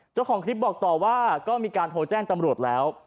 เจ้าของคลิปบอกต่อว่าก็มีการโทรแจ้งตำรวจแล้ว